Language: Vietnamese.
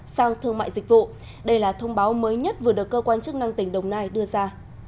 sang thương mại dịch vụ đây là thông báo mới nhất vừa được cơ quan chức năng tỉnh đồng nai đưa ra